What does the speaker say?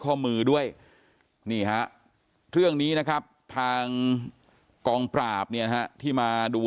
ข้อมือด้วยนี่ฮะเรื่องนี้นะครับทางกองปราบเนี่ยนะฮะที่มาดู